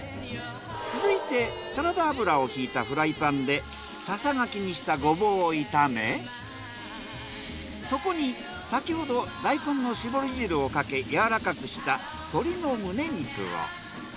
続いてサラダ油をひいたフライパンでささがきにしたゴボウを炒めそこに先ほど大根のしぼり汁をかけやわらかくした鶏の胸肉を。